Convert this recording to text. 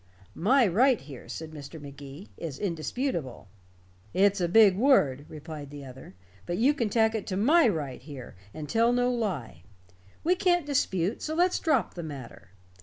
"My right here," said Mr. Magee, "is indisputable." "It's a big word," replied the other, "but you can tack it to my right here, and tell no lie. We can't dispute, so let's drop the matter.